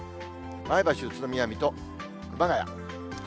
前橋、宇都宮、水戸、熊谷。